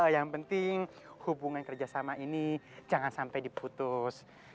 yang penting hubungan kerjasama ini jangan sampai diputus